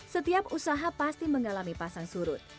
setiap usaha pasti mengalami pasang surut